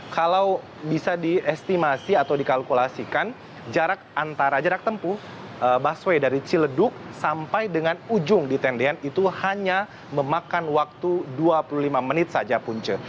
kalau bisa diestimasi atau dikalkulasikan jarak antara jarak tempuh busway dari ciledug sampai dengan ujung di tendian itu hanya memakan waktu dua puluh lima menit saja punce